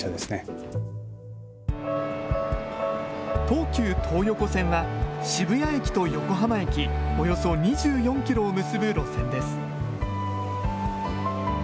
東急東横線は渋谷駅と横浜駅、およそ２４キロを結ぶ路線です。